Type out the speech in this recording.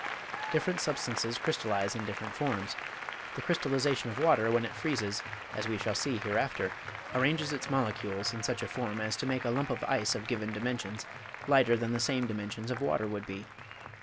Different substances crystallize in different forms. The crystallization of water when it freezes, as we shall see hereafter, arranges its molecules in such a form as to make a lump of ice of given dimensions lighter than the same dimensions of water would be.